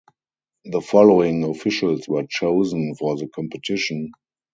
The following officials were chosen for the competition.